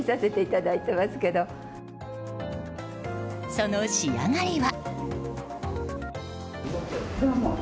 その仕上がりは。